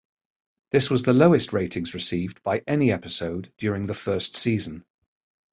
This was the lowest ratings received by any episode during the first season.